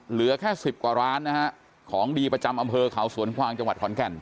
เหลือแค่สิบกว่าร้านนะฮะของดีประจำอำเภอเขาสวนกวางจังหวัดขอนแก่น